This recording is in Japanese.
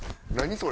それ。